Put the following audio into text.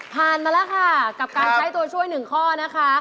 มาแล้วค่ะกับการใช้ตัวช่วย๑ข้อนะคะ